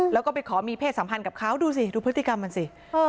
แล้วก็ไปขอมีเพศสัมพันธ์กับเขาดูสิดูพฤติกรรมมันสิ